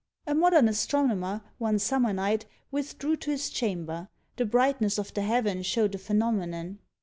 A modern astronomer, one summer night, withdrew to his chamber; the brightness of the heaven showed a phenomenon.